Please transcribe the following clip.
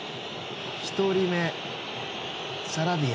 １人目、サラビア。